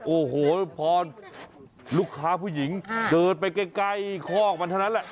โอ้โหพอลูกค้าผู้หญิงเดินไปใกล้คอกมันเท่านั้นแหละ